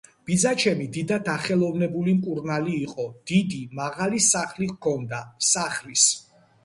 ბიძაჩემი დიდად დახელოვნებული მკურნალი იყო. დიდი, მაღალი სახლი ჰქონდა. სახლის